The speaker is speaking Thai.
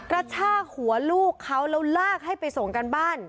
กระชากหัวลูกเขาแล้วลากให้ไปส่งกันบ้าน